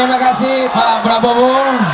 terima kasih pak prabowo